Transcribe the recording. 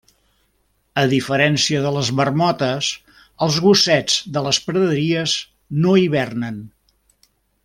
A diferència de les marmotes, els gossets de les praderies no hibernen.